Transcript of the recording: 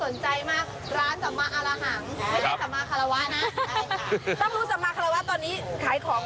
น่าสนใจมากร้านสัมมาอารหาง